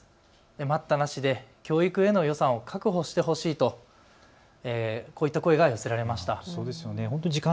待ったなしで教育への予算を確保してほしいとこういった声が寄せられました。